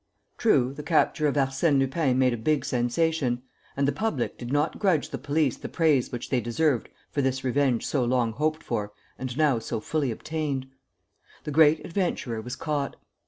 True, the capture of Arsène Lupin made a big sensation; and the public did not grudge the police the praise which they deserved for this revenge so long hoped for and now so fully obtained. The great adventurer was caught.